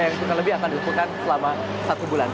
yang kurang lebih akan dilakukan selama satu bulan